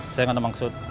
saya gak ada maksud